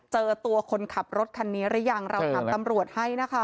เจอตัวคนขับรถคันนี้หรือยังเราถามตำรวจให้นะคะ